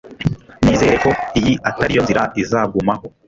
nizere ko iyi atariyo nzira izagumaho